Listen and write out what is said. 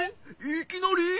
いきなり？